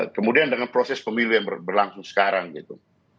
kemudian dengan proses pemilihan berlangsung sekarang gitu